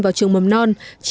vào trường mầm non